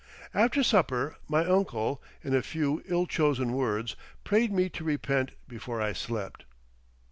After supper my uncle, in a few ill chosen words, prayed me to repent before I slept.